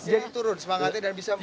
jadi turun semangatnya dan bisa berubah